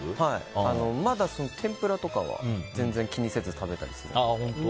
まだ天ぷらとかは全然、気にせず食べたりするので。